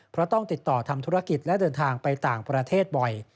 เพราะต้องติดต่อทำธุรกิจและเดินทางไปต่างประเทศบ่อย